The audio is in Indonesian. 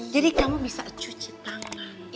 jadi kamu bisa cuci tangan